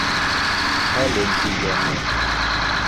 Хәлен һөйләне.